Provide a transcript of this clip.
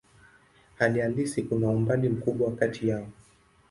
Hali halisi kuna umbali mkubwa kati yao.